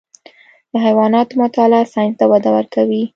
د حیواناتو مطالعه ساینس ته وده ورکوي.